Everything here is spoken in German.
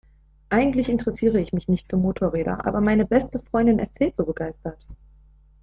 Eigentlich interessiere ich mich nicht für Motorräder, aber meine beste Freundin erzählt so begeistert.